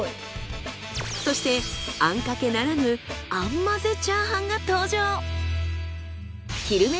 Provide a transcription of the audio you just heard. そしてあんかけならぬ餡まぜチャーハンが登場！